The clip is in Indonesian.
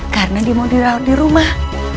karena dia mau di rumah